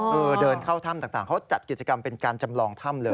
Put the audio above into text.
คือเดินเข้าถ้ำต่างเขาจัดกิจกรรมเป็นการจำลองถ้ำเลย